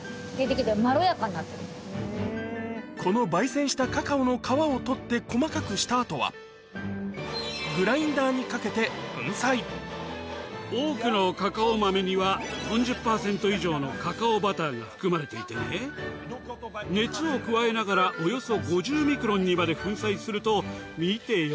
この焙煎したカカオの多くのカカオ豆には４０％以上のカカオバターが含まれていてね熱を加えながらおよそ５０ミクロンにまで粉砕すると見てよ